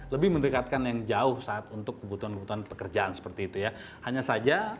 lebih mendekatkan yang jauh saat untuk kebutuhan kebutuhan pekerjaan seperti itu ya hanya saja